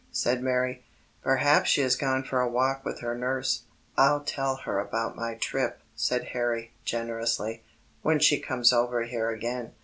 said Mary. "Perhaps she has gone for a walk with her nurse." "I'll tell her about my trip," said Harry generously, "when she comes over here again.